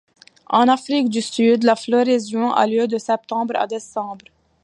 En Afrique du Sud, la floraison a lieu de septembre à décembre.